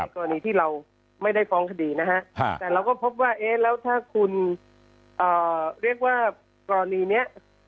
กรณีที่เราไม่ได้ฟ้องคดีแต่เราก็พบว่าถ้าคุณเรียกว่ากรณีนี้